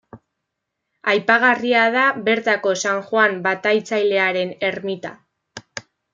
Aipagarria da bertako San Joan Bataiatzailearen ermita.